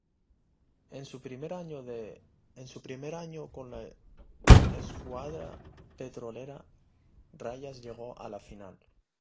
En su primer año con la escuadra petrolera, Rayas llegó a la final.